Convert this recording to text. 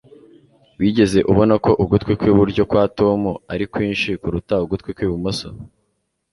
Wigeze ubona ko ugutwi kw'iburyo kwa Tom ari kwinshi kuruta ugutwi kw'ibumoso?